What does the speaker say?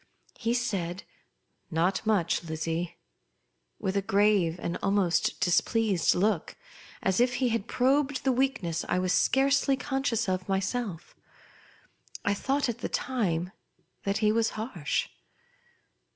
He said, "ISot much, Lizzie," with a grave and almost displeased look, as if he had probed the weakness I was scarcely conscious of my.^eif. I thougiit at the time that he was harsh.